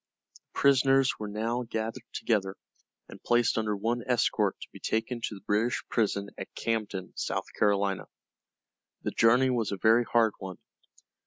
The prisoners were now gathered together, and placed under one escort to be taken to the British prison at Camden, South Carolina. The journey was a very hard one.